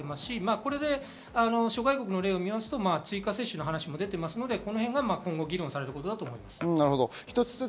これで諸外国の例を見ると追加接種の話も出ていますが、今後議論されてくると思います。